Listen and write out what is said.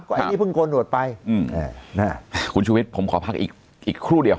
ก็ผมแบบนี้กล้อง๙๙ไปคุณชุวิตผมขอพักอีกครู่เดียว